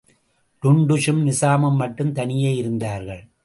டுன்டுஷம் நிசாமும் மட்டும் தனியே யிருந்தார்கள்.